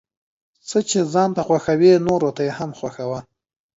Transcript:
څه چې ځان ته خوښوې نوروته يې هم خوښوه ،